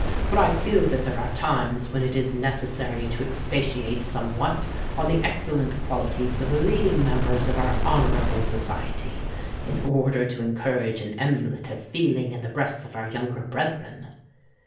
But I feel that there are times when it is necessary to expatiate somewhat on the excellent qualities of the leading members of our honourable Society—in order to encourage an emulative feeling in the breasts of our younger brethren.